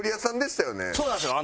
そうなんですよ。